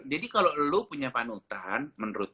jadi kalau lo punya panutan menurut